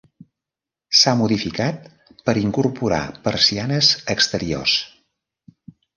S'ha modificat per incorporar persianes exteriors.